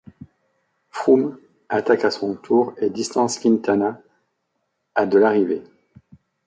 Froome attaque à son tour et distance Quintana à de l'arrivée.